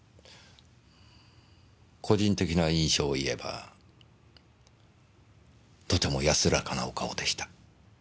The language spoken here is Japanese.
個人的な印象を言えばとても安らかなお顔でした。